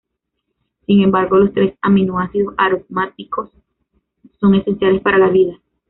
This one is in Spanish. Sin embargo, los tres aminoácidos aromáticos son esenciales para la vida.